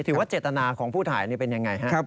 ถือว่าเจตนาของผู้ถ่ายเป็นยังไงครับ